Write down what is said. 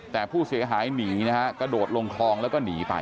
แต่ผู้เสียหายหนีนะฮะกระโดดลงคลองแล้วก็หนีไป